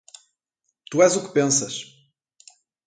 Tu és o que pensas!